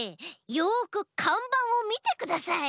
よくかんばんをみてください！